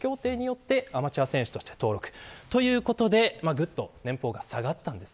それでぐっと年俸が下がったんです。